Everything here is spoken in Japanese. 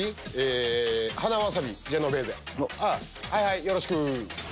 はいはいよろしく。